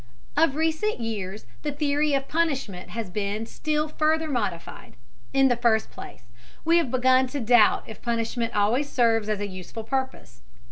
Of recent years the theory of punishment has been still further modified. In the first place, we have begun to doubt if punishment always serves a useful purpose.